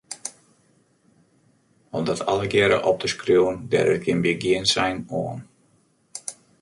Om dat allegearre op te skriuwen, dêr is gjin begjinnensein oan.